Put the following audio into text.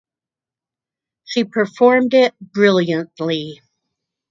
She performed it brilliantly.